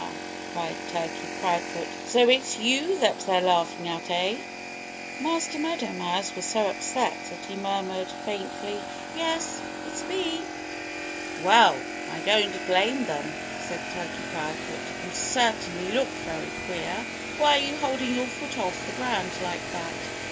cried Turkey Proudfoot. "So it's you that they're laughing at, eh?" Master Meadow Mouse was so upset that he murmured faintly, "Yes, it's me." "Well, I don't blame them," said Turkey Proudfoot. "You certainly look very queer. Why are you holding your foot off the ground like that?"